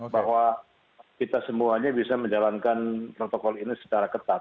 bahwa kita semuanya bisa menjalankan protokol ini secara ketat